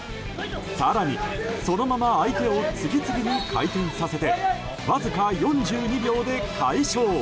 更に、そのまま相手を次々に回転させてわずか４２秒で快勝。